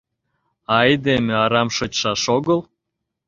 А айдеме арам шочшаш огыл.